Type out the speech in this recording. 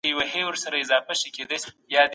سازمانونه څنګه د کارګرانو ساتنه کوي؟